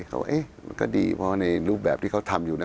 เขาเอ๊ะมันก็ดีเพราะในรูปแบบที่เขาทำอยู่นะ